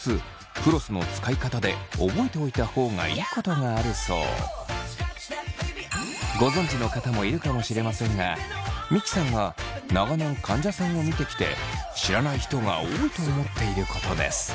フロスの使い方でご存じの方もいるかもしれませんが三木さんが長年患者さんを見てきて知らない人が多いと思っていることです。